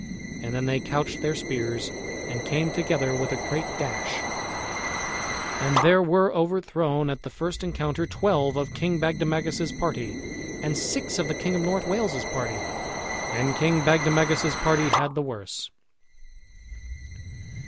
And then they couched their spears, and came together with a great dash, and there were overthrown at the first encounter twelve of King Bagdemagus's party and six of the king of North Wales's party, and King Bagdemagus's party had the worse.